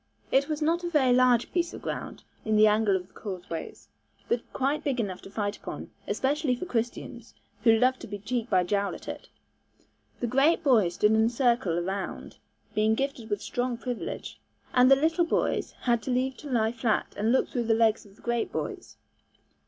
It was not a very large piece of ground in the angle of the causeways, but quite big enough to fight upon, especially for Christians, who loved to be cheek by jowl at it. The great boys stood in a circle around, being gifted with strong privilege, and the little boys had leave to lie flat and look through the legs of the great boys.